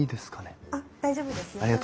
あっ大丈夫ですよ。